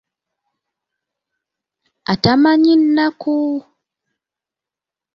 Atamanyi nnaku!